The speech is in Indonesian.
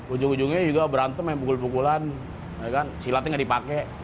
ujung ujungnya juga berantem yang pukul pukulan silatnya nggak dipakai